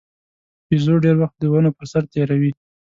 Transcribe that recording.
بیزو ډېر وخت د ونو پر سر تېروي.